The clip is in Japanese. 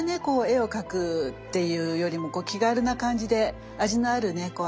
こう絵を描くっていうよりも気軽な感じで味のあるね